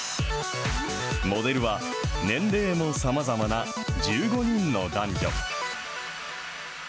モデルは、年齢もさまざまな１５人の男女。